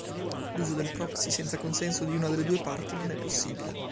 L'uso del Proxy senza consenso di una delle due parti non è possibile.